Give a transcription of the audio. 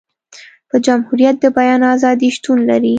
په جمهوريت د بیان ازادي شتون لري.